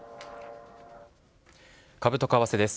株と為替です。